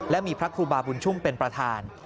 และมีพระครูบาบุญชุ่มเป็นประธาน